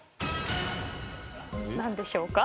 何でしょうか？